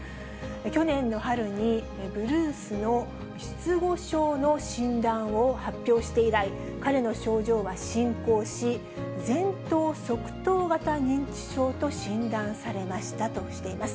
去年の春に、ブルースの失語症の診断を発表して以来、彼の症状は進行し、前頭側頭型認知症と診断されましたとしています。